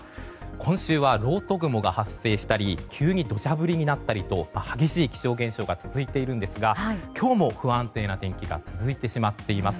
今週は、ろうと雲が発生したり急に土砂降りになったりと激しい気象現象が続いているんですが今日も不安定な天気が続いてしまっています。